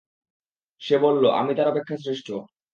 সে বলল, আমি তার অপেক্ষা শ্রেষ্ঠ।